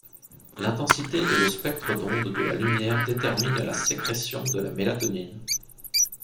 L’intensité et le spectre d’ondes de la lumière déterminent la sécrétion de la mélatonine.